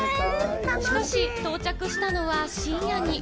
しかし、到着したのは深夜に。